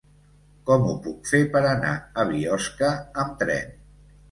Com ho puc fer per anar a Biosca amb tren?